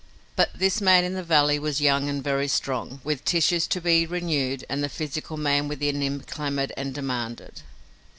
But this man in the valley was young and very strong, with tissues to be renewed, and the physical man within him clamored and demanded.